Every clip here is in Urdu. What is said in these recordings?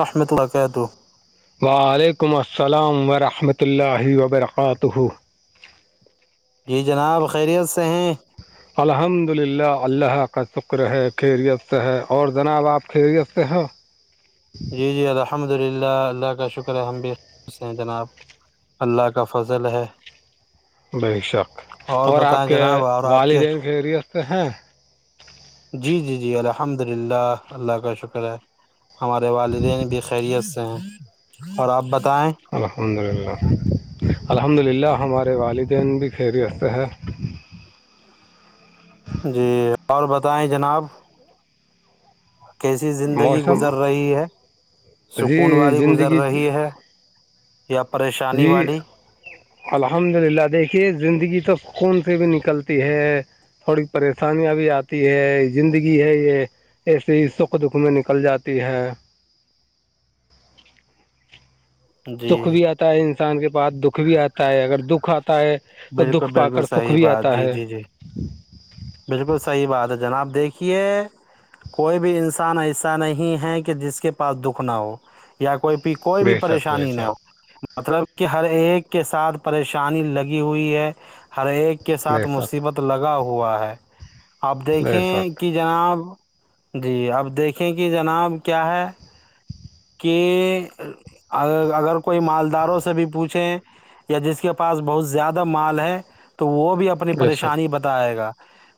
رحمۃ الکاتہ وعلیکم السلام ورحمۃ اللہ وبرکاتہ جی جناب خیریت سے ہیں الحمد للہ اللہ کا شکر ہے خیریت سے ہے اور جناب آپ خیریت سے ہیں [inaudible] جی جی الحمد للہ اللہ کا شکر ہے ہم بھی خو ہیں جناب اللہ کا فضل ہے بے شک اور آپ بتائیں کے جناب اور آپ والدین کے ریست ہیں جی جی جی الحمد للہ اللہ کا شکر ہے ہمارے والدین بھی خیریت سے ہیں اور آپ بتائیں الحمد للہ الحمد للہ ہمارے والدین بھی خیریست ہیں جی اور بتائیں جناب کیسی زندگی موسم گزر رہی ہے جی سکون والی گزر زندگی ج- رہی ہے یا پریشانی جی والی الحمد للہ دیکھیے زندگی تو خون سے بھی نکلتی ہے تھوڑی پریشانیاں بھی آتی ہے زندگی ہے یہ ایسیے ہی سکھ دکھ میں نکل جاتی ہے جی سکھ بھی آتا ہے انسان کے پاس دکھ سکھ بھی آتا ہے اگر دکھ آتا ہے تو بالکل دکھ پا کر بالکل سکھ صحیح بھی بات آتا جی ہے جی جی بالکل صحیح بات ہے جناب دیکھیے کوئی بھی انسان ایسا نہیں ہے کہ جس کے پاس دکھ نہ ہو یا کوئی کوئی بھی بے شک بے پریشانی نہ ہو شک مطلب کہ ہر ایک کے ساتھ پریشانی لگی ہوئی ہے ہر ایک کے بے ساتھ شک مصیبت لگا ہوا ہے آپ بے دیکھیں شک کہ جناب جی آب دیکھیں کہ جناب کیا ہے کہ اگر کوئی مالداروں سے بھی پوچھیں یا جس کے پاس بہت زیادہ مال ہے تو وہ بھی اپنی بے شک پریشانی بتائے گا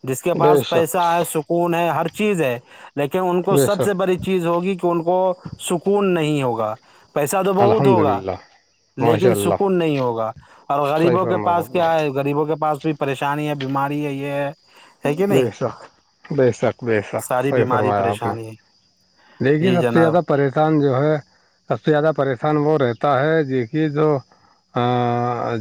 جس کے بے پاس پیسہ شک ہے ون ہے ہر چیز ہے لیکن ان کو بے سب سے شک بڑی چیز ہوگی کہ ان کو سکون نہیں ہوگا پیسہ تو بہت الحمد ہوگا للہ ماشاء لیکن اللہ سکون نہیں ہوگا اور صحیح غریبوں کے فرمایا آپ پاس کیا نے ہے غریبوں کے پاس بھی پریشانی ہے بیماری ہے یہ ہے ہے کہ بے نہیں شک بے شک بے شک ساری سحی بیماری فرمایا آپ نے پریشانی ہے دیکھیے جی سب سے جناب زیادہ پریشان جو ہے سب سے زیادہ پریشان وہ رہتا ہے کہ جو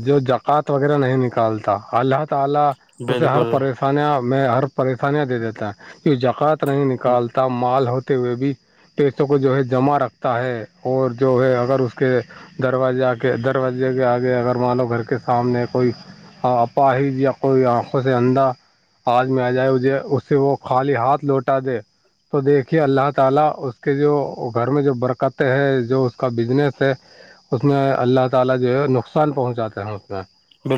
جو جکات وغیرہ نہیں نکالتا اللہ تعا اسے ہر بالکل پریشانیا میں ہر پریشانیاں دے دیتا ہے جو جکۃ نہیں نکالتا مال ہوتے ہوئے بھی پیسوں کو جو ہے جمع رکھتا ہے اور جو ہے اگر اس کے دروازہ آ کے دروازے کے آگے اگر مانو گھر کے سامنے کوئی اپاہد یا کوئی آنکھوں سے اندھا آج میں آ جائے مجھے اس سے وہ خالی ہاتھ لوٹا دے دیکھیں اللہ تعالی اس کے جو گھر میں جو برکتیں ہیں جو اس کا بزنس ہے اللہ تعالی جو ہے نقصان پہنچ جاتا ہے نقصان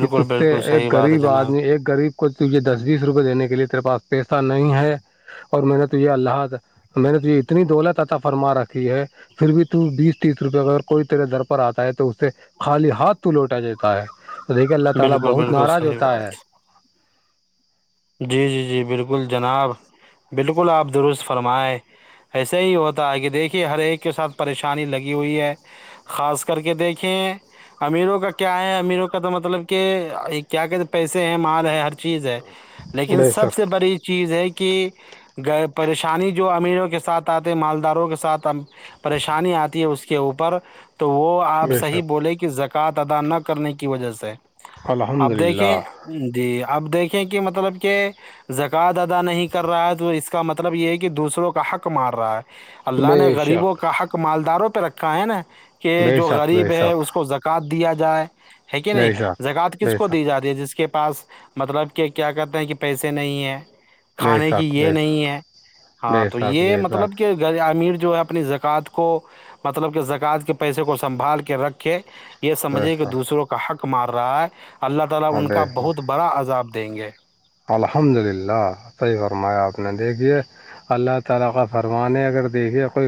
کہ تج سے بالکل صحیح ایک بات ہے غریب جناب آدمی ایک غریب کو تے دس بیس روپئے دینے کے لیے تیرے پاس پیسہ نہیں ہے اور میں نے تو یہ اللہ حاظ میں نے تو یہ اتنی دولت عطا فرما رکھی ہے پھر بھی ت بیس تیس روپئے اگر کوئی تیرے در پر آتا ہے تو اس سے خالی ہاتھ تو لوٹا جاتا لیکن اللہ تعالی بالکل بہت بالکل صحیح بات جی جی جی بالکل جناب بالکل آپ درست فرمائے ایسے ہی ہوتا ہے کہ دیکھیے ہر ایک کے ساتھ پریشانی لگی ہوئی ہے خاص کر کے دیکھیں امیروں کا کیا ہے امیروں کا تو مطلب کہ کیا کہتے پیسے ہیں مال ہے ہر چیز ہے لیکن بے سب سے شک بڑی چیز ہے کہ پریشانی جو امیروں کے ساتھ آتے مالداروں کے ساتھ پریشانی آتی ہے اس کے اوپر تو وہ آپ بے صحیح شک بولیں کہ زکوۃ ادا نہ کرنے کی وجہ سے الحمد اب دیکھیں للہ جی اب دیکھیں کہ مطلب کہ زکوۃ ادا نہیں کر رہا ہے تو اس کا مطلب یہ ہے کہ دوسروں کا حق مار رہا ہے اللہ نے بے غریبوں شک کا حق مالداروں پہ رکھا ہے نا کہ بے جو شک بے غریب ہے شک اس کو ذر کات دیا جائے ہے کہ بے نہیں شک زکات بے کس کو شک دی جاتی ہے جس کی کے پاس مطلب کہ کیا کہتے ہیں کہ پیسے نہیں ہیں بے کھانے کی شک بے یہ شک نہیں ہے ہاں بے تو شک یہ بے مطلب شک کہ گز امیر جو ہے اپنی زکوۃ کو مطلب کہ زکوات کے پیسے کو سنبھال کے رکھے یہ بے سمجھیں کہ شک دوسروں کا حق مار رہا ہے اللہ تعالی ان بے کا شک بہت بڑا عذاب دیں گے بندے بھائی کی ریکارڈنگ میں نے معیاری دعا ہے میں ا رہی ہیں خ الحمد للہ صحیح فرما آپ نے دیکھیے رفف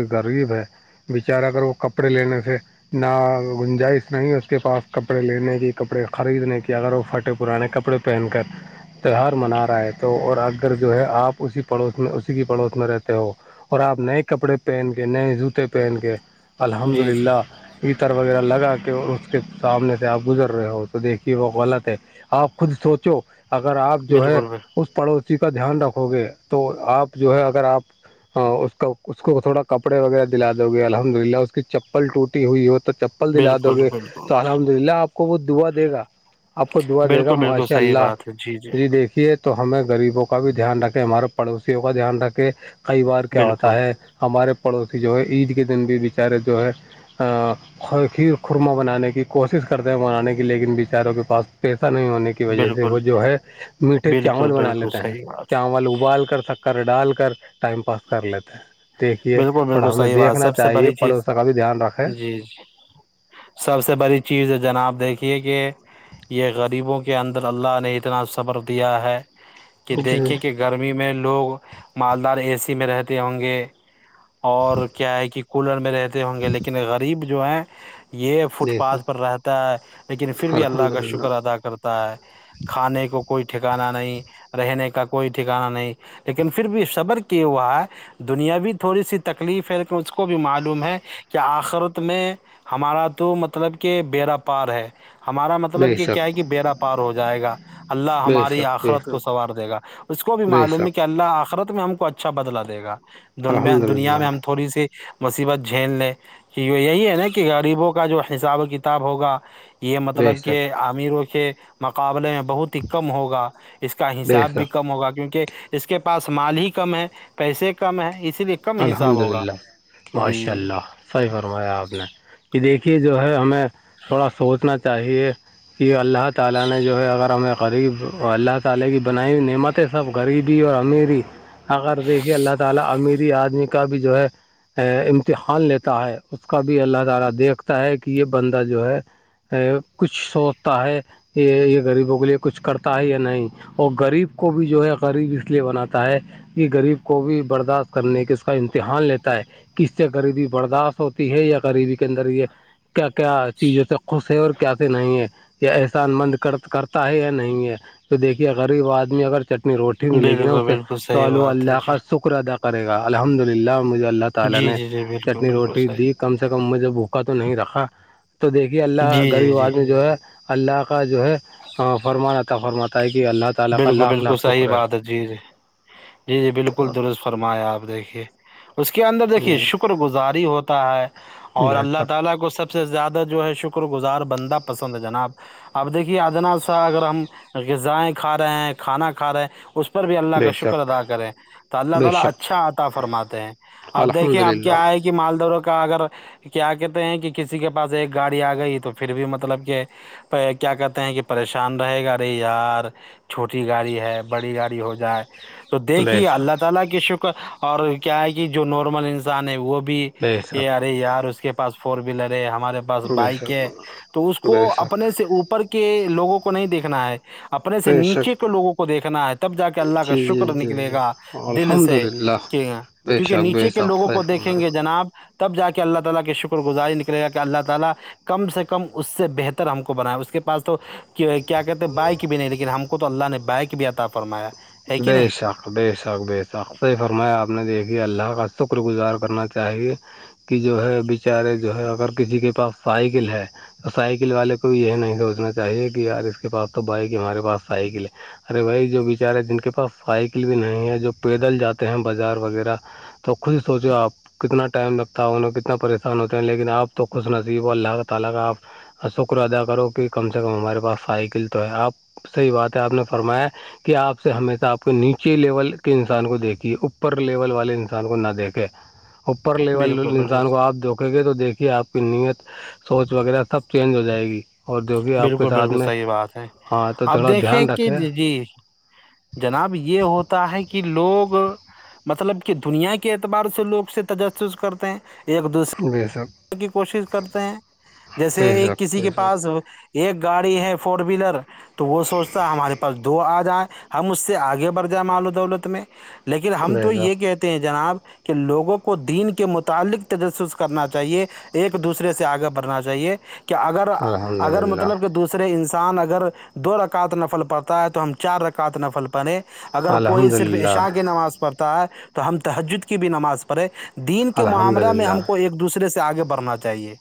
بیچارا اگر وہ کپڑے لینے سے نہ گنجائش نہیں اس کے پاس کپڑے لینے کی کپڑے خریدنے کی اگر وہ پھٹے پرانے کپڑے پین کارڈ تیوار منا رہا ہے تو اور اگر جو ہے آپ اسی پڑوس میں اسی کی پڑوس میں رہتے ہو اور آپ نئے کپڑے پہن کے نئے جوتے پہن کے الحمد جی جی للہ عیتر وغیرہ لگا کے اس کے سامنے سے آپ گزر رہے ہو تو دیکھیے وہ غلط ہے آپ خود سوچو اگر آپ جو ہے بالکل اس پڑوسی کا دھیان رکھو گے تو آپ جو ہے اگر آپ ہ اس کا اس کو تھوڑا کپڑے وغیرہ دلا دو گے الحمد للہ اس کی چپل وٹی ہوئی ہو تو ل دلا بالکل دو بالکل گے بالکل تو الحمد للہ آپ کو وہ دعا دے گا آپ کو دعا دے گا بالکل بالکل ماشاء صحیح اللہ بات ہے جی دیکھیے تو ہمیں غریبوں کا بھی دھیان رکھے ہمارے پڑوسیوں کا دھیان رکھے کئی بار کیا بالکل ہوتا ہے ہمارے پڑوسی جو ہے عید کے دن بھی بیچارے جو ہے یر خورمہ بنانے کی کوشش کرتے ہیں بنانے کی لیکن بچاروں کے پاس پیسہ نہیں ہونے کی وجہ سے بالکل وہ جو ہے میٹھے بالکل چاول بنا بالکل لیتے ہیں صحیح بات چاول ابال کر سکتے کر ڈال کر ٹائم پاس کر لیتے ہیں دیکھیے بالکل بالکل تھوڑا ہمیں صحیح بات دیکھنا سب سے چاہیے بڑی چیز پڑوسوں کا بھی دھیان رکھے جی سب سے بڑی چیز ہے جناب دیکھیے کہ یہ غریبوں کے اندر اللہ نے اتنا صبر دیا ہے کہ جی دیکھیں کہ گرمی میں لوگ مالدار اے سی میں رہتے ہوں گے اور کیا ہے کہ کولر میں رہتے ہوں گے لیکن غریب جو ہے یہ فٹ بے پاتھ پر شک رہتا ہے لیکن پھر بھی اللہ الحمد کا للہ شکر ادا کرتا ہے کھانے کو کوئی ٹھکانا نہیں رہنے کا کوئی ٹھکانا نہیں لیکن پھر بھی صبر کیا ہوا ہے دنیاوی تھوڑی سی تکلیف ہے اس کو بھی معلوم ہے کہ آخرت میں ہمارا تو مطلب کہ بییرا پار ہے ہمارا بے مطلب کہ کیا ہے شک کہ بییرا پار ہو جائے گا اللہ بے ہماری شک بے آخرت کو شک سنوار دے گا اس کو بھی بے معلوم ہے شک کہ اللہ آخرت میں ہم کو اچھا بدلا دے گا د الحمد دنیا للہ میں ہم تھوڑی سی مصیبت جھیل لے کہ یہ یہی ہے نا کہ غریبوں کا جو حساب و کتاب ہوگا یہ بے مطلب کہ شک امیروں کے مقابلے میں بہت ہی کم ہوگا اس کا بے حساب بھی شک کم ہوگا کیونکہ اس کے پاس مال ہی کم ہے پیسے کم ہیں اس لیے کم حساب الحمد ہوگا للہ جی ماشاء اللہ صحیح فرمایا آپ نے کہ دیکھیے جو ہے ہمیں تھوڑا سوچنا چاہیے کہ اللہ تعالی نے جو ہے اگر ہمیں غریب اللہ تعالی کی بنائی ہوئی نعمت ہے سب غریبی اور امیر ہی اگر دیکھیے اللہ تعالی امیری آدمی کا بھی جو ہے ا امتحان لیتا ہے اس کا بھی اللہ تعالی دیکھتا ہے کہ یہ بندہ جو ہے کچھ سوچتا ہے یہ یہ غریبوں کے لیے کچھ کرتا ہے یا نہیں اور غریب کو بھی جو ہے غریب اس لیے بناتا ہے کہ غریب کو بھی برداشت کرنے کے اس کا امتحان لیتا ہے کس سے غریبی برداشت ہوتی ہے یا غریبی کے اندر یہ کیا کیا چیز ہوتے خوش ہے اور کیاس نہیں ہے یہ احسان مند کرتا ہے یا نہیں ہے تو دیکھیے غریب آدمی اگر چٹنی روٹی ملے گی نا بالکل اسے بالکل تو صحیح اللہ بات ہے اللہ جی کا سکھ شکر ادا کرے گا الحمد للہ مجھے اللہ تعالی جی نے جی جی بالکل چٹنی بالکل روٹی دی صحیح کم سے کم مجھے بھوکا تو نہیں رکھا تو دیکھیے اللہ جی گھر جی جی آواز میں جو ہے اللہ کا جو ہے فرمانطا فرماتا ہے کہ اللہ تعالی کا بالکل لاکھ بالکل لاکھ صحیح شکر ہے بات جی جی جی جی بالکل درست فرمایا آپ دیکھیے اس کے اندر دیکھیے شکر گزاری ہوتا ہے اور بے اللہ شک تعالی کو سب سے زیادہ جو ہے شکر گزار بندہ پسند ہے جناب اب دیکھیے ادناال سے اگر ہم غذائیں کھا رہے ہیں کھانا کھا رہے ہیں اس پر بھی اللہ کا بے شکر شک ادا کرے تو اللہ بے تعالی شک اچھا آطتا فرماتے ہیں اب الحمد دیکھیں اب للہ کیا ہے کہ مالدوروں کا اگر کیا کہتے ہیں کہ کسی کے پاس ایک گاڑی آ گئی تو پھر بھی مطلب کہ کیا کہتے ہیں کہ پریشان رہے گارے یار چھوٹی گاڑی ہے بڑی گاڑی ہو جائے تو بے دیکھیے اللہ شک تعالی کے شکر اور کیا ہے کہ جو نارمل انسان ہے وہ بھی بے شک یہیارے یار اس کے پاس فور ویلر ہے ہمارے پا بس بے بائک شک ہے تو اس کو بے شک اپنے سے اوپر کے لوگوں کو نہیں دیکھنا ہے اپنے سے بے نیچے شک کے لوگوں کو دیکھنا ہے تب جا کے اللہ کا جی جی شکر جی نکلے جی گا دل الحمد سے للہ کہ بے کیونکہ شک بے نیچے کے شک لوگوں کو صحیح دیکھیں فرمایا گے جناب تب جا کے اللہ تعالی شکر گزاری نکلے گ کہ اللہ تعالی کم سے کم اس سے بہتر ہم کو بناائے اس کے پاس تو کیا کہتے ہیں بائک بھی نہیں لیکن ہم کو تو اللہ نے بائک بھی عطا فرمایا ہے کہ نہیں بییسا بے شاک بے شق صحی فرمایا آپ نے دیکھی اللہ کا شکرگزار کرنا چاہیے کہ جو ہے بیچارے جو ہے اگر کسی کے پاس سائیکل ہے تو سائیکل والے کو یہ نہیں سوچنا چاہیے کہ یار اس کے پاس تو بائک ہمارے پاس سائیکل ہے ارے وہی جو بیچارے جن کے پاس سائیکل بھی نہیں ہے جو پیدل جاتے ہیں بازار وغیرہ تو خوش ہی سوچے آپ کتنا ٹائم لگتا ہے انہوںیں کتنا پریشان ہوتے ہیں لیکن آپ تو خوش نصیب اور اللہ تعالی کا آپ شکر ادا کرو کہ کم سے کم ہمارے پاس سائیکل تو ہے آپ صحی بات ہے آپ نے فرمایا کہ آپ سے ہممی تو آپ کو نیچے لیول کے انسان کو دیکھیے اوپر لیول والے انسان کو نہ دیکھے اوپر لیول بالکل بالکل انسان کو آپ د رکیں گے تو دیکھیے آپ کی نیت سوچ وغیرہ سب چینج ہو جائے گی اور جو کہ آپ کے بالکل ساتھ بالکل میں صحیح بات ہے ہاں تو آپ تھوڑا دیکھیں دھیان کہ رکھے جی جناب یہ ہوتا ہے کہ لوگ مطلب کہ دنیا کے اعتبار سے لوگ اس سے تجسس کرتے ہیں ایک دو فڈی حسب کی کوشش کرتے ہیں جیسے بے ایک شک کسی بے کے پاس شک ایک گاڑی ہے فور ویلر تو وہ سوچتا ہے ہمارے پاس دو آ جائیں ہم اس سے آگے بڑھ جائیں مال و دولت میں لیکن ہم بے تو یہ شک کہتے ہیں جناب کہ لوگوں کو دین کے متعلق تجسس کرنا چاہیے ایک دوسرے سے آگے بڑھنا چاہیے کہ اگر الحمد اگر للہ مطلب کہ دوسرے رے انسان اگر دو رکعت نفل پڑتا ہے تو ہم چار رکعت نفل پیں اگر کوئی الحمد صرف للہ عشا کی نماز پڑھتا ہے تو ہم تحجد کی بھی نماز پڑھیں تو دین کے الحمد معاملہ میں للہ ہم کو ایک دوسرے سے آگے بڑھنا چاہیے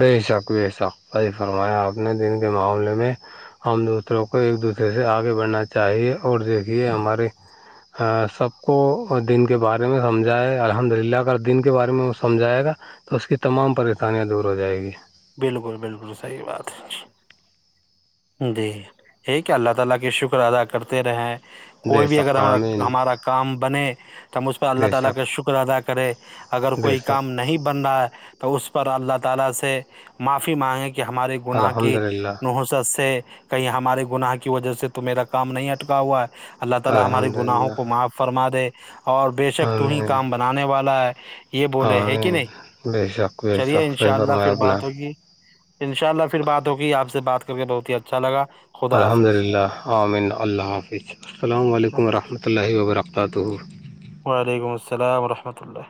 بے شک بے شک بی فرمایا آپ نے دن کے معاملے میں ہم دوسروں کو ایک دوسرے سے آگے بڑھنا چاہیے اور دیکھیے ہمارے سب کو دن کے بارے میں سمجھائے الحمد للہ کا دن کے بارے میں وہ سمجھائے گا تو اس کی تمام پریشانیاں دور ہو جائےیں گی بالکل بالکل صحیح بات ہے غرغ کوئی بے بھی اگر شک ہم آمین ہمارا کام بنے تم اس پر اللہ بے تعالی کا شک شکر ادا کرے اگر بے کوئی کام شک نہیں بن رہا ہے تو اس پر اللہ تعالی سے معافی مانگیں کہ ہمارے گناہ الحمد کی للہ سے کہیں ہمارے گناہ کی وجہ سے تو میرا کام نہیں اٹکا ہوا ہے اللہ تعالی ہمارے الحمد گناہوں للہ کو معاف فرما دے اور بے شک تو ہی آمین کام بنانے والا ہے یہ بولے ہے کہ آمین نہیں بے شک بے چلیے شک ان صحیح شاء اللہ فرمایا پھر آپ نے بات ہوگی انشاء اللہ پھر بات ہوگی آپ سے بات کر کے بہت ہی اچھا لگا خدا الحمد حافظ للہ عؤامن اللہ حافظ السلام علیکم ورحمۃہ اللہ و برکاتہ وعلیکم السلام وورحمۃ اللہ